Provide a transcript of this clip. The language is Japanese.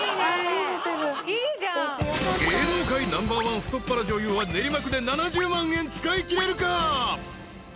［芸能界ナンバーワン太っ腹女優は練馬区で７０万円使いきれるか？］